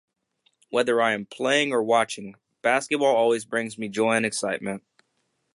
Whether I am playing or watching, basketball always brings me joy and excitement.